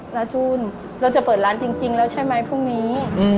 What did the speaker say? จูนเราจะเปิดร้านจริงแล้วใช่ไหมพรุ่งนี้